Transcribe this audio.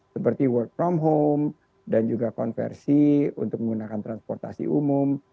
seperti work from home dan juga konversi untuk menggunakan transportasi umum